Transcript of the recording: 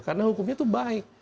karena hukumnya itu baik